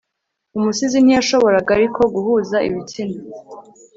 Umusizi ntiyashoboraga ariko guhuza ibitsina